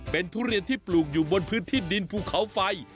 เป็นทุเรียนที่ปลูกอยู่บนพื้นที่ดินภูเขาไฟ